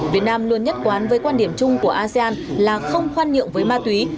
việt nam luôn nhất quán với quan điểm chung của asean là không khoan nhượng với ma túy